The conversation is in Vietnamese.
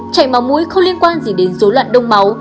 chảy máu mũi không liên quan gì đến dối loạn đông máu